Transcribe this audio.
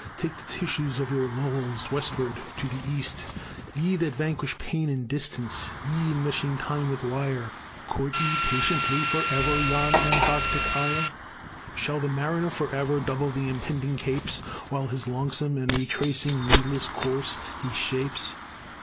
Take the tissues of your Lowells Westward to the East. Ye, that vanquish pain and distance, Ye, enmeshing Time with wire, Court ye patiently forever Yon Antarctic ire? Shall the mariner forever Double the impending capes, While his longsome and retracing Needless course he shapes?